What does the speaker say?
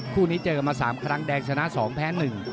คู่นี้เจอกันมา๓ครั้งแดงชนะ๒แพ้๑